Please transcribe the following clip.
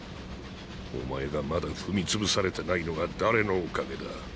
お前がまだ踏み潰されてないのは誰のおかげだ？